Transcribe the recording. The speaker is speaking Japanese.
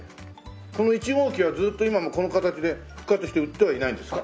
この１号機はずっと今もこの形で復活して売ってはいないんですか？